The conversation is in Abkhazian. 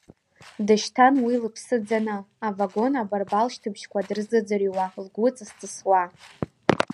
Дышьҭан ус лыԥсы ӡаны, авагон абарбал шьҭыбжьқәа дырзыӡрҩуа, лгәы ҵысҵысуа.